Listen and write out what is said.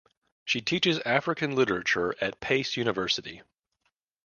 She teaches African Literature at Pace University.